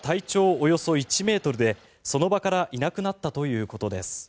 およそ１ｍでその場からいなくなったということです。